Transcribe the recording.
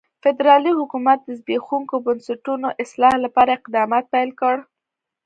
فدرالي حکومت د زبېښونکو بنسټونو اصلاح لپاره اقدامات پیل کړل.